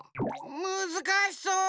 むずかしそう。